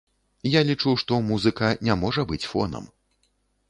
Я лічу, што музыка не можа быць фонам.